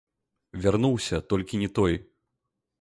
Вярнуўся, толькі не той.